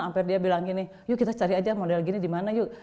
hampir dia bilang gini yuk kita cari aja model gini di mana yuk